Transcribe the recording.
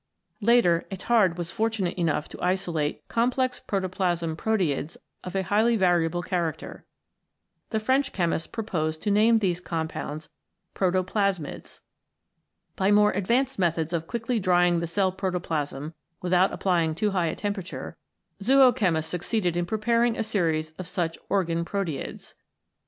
Later, Etard was fortunate enough to isolate complex protoplasm proteids of highly variable character. The French chemist proposed to name these com pounds Protoplasmids. By more advanced methods of quickly drying the cell protoplasm without applying too high a temperature, zoochemists succeeded in preparing a series of such Organ Proteids.